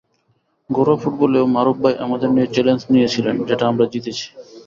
ঘরোয়া ফুটবলেও মারুফ ভাই আমাদের নিয়ে চ্যালেঞ্জ নিয়েছিলেন, যেটা আমরা জিতেছি।